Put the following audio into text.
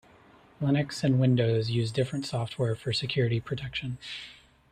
Linux and Windows use different software for security protection.